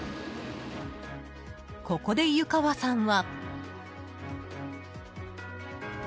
ここで湯川さんは。